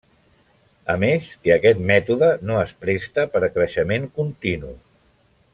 A més que aquest mètode no es presta per a creixement continu.